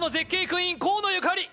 クイーン河野ゆかり